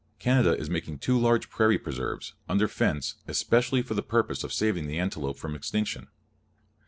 Canada is making two large prairie preserves, under fence, especially for the purpose of saving the antelope from extinction.